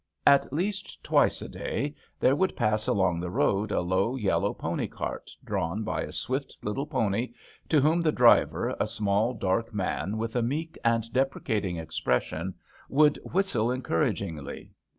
At least twice a day there would pass along the road a low yellow pony cart drawn by a swift little pony, to whom the driver, a small dark man with a meek and deprecating expression, would whistle encouragingly.